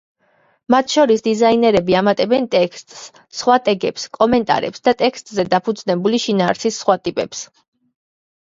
მათ შორის დიზაინერები ამატებენ ტექსტს, სხვა ტეგებს, კომენტარებს და ტექსტზე დაფუძნებული შინაარსის სხვა ტიპებს.